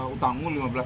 utangmu lima belas juta